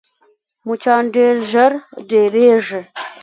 مچان ډېر ژر ډېرېږي